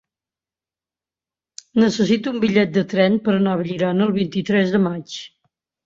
Necessito un bitllet de tren per anar a Vallirana el vint-i-tres de maig.